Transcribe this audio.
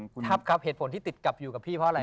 คุณทัพครับเหตุผลที่ติดกลับอยู่กับพี่เพราะอะไร